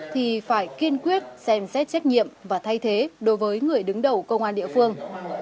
thì phải kiên quyết xem xét trách nhiệm và thay thế đối với người đứng đầu công an địa phương